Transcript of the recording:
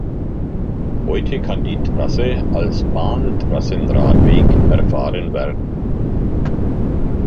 Heute kann die Trasse als Bahntrassenradweg erfahren werden.